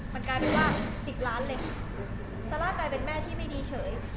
มันกลายเป็นว่า๑๐ล้านเลยซาร่ากลายเป็นแม่ที่ไม่ดีเฉย